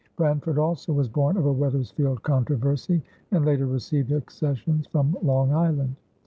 Branford also was born of a Wethersfield controversy and later received accessions from Long Island.